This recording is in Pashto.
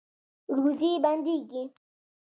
روزي بندیږي؟